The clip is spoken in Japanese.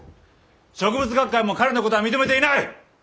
植物学会も彼のことは認めていない！